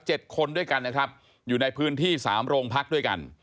คนด้วยกันนะครับอยู่ในพื้นที่สามโรงพักด้วยกัน